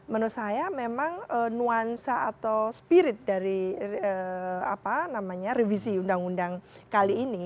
menurut saya memang nuansa atau spirit dari revisi undang undang kali ini